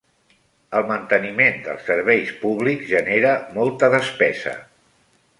El manteniment dels serveis públics genera molta despesa.